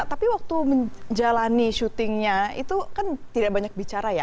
tapi waktu menjalani syutingnya itu kan tidak banyak bicara ya